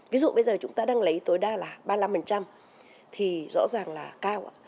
ví dụ bây giờ chúng ta đang lấy tối đa là ba mươi năm thì rõ ràng là cao ạ